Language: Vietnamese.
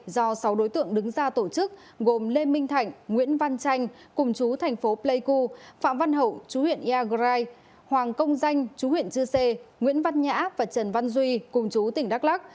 do sáu đối tượng đứng ra tổ chức gồm lê minh thạnh nguyễn văn chanh cùng chú thành phố pleiku phạm văn hậu chú huyện iagrai hoàng công danh chú huyện chư sê nguyễn văn nhã và trần văn duy cùng chú tỉnh đắk lắc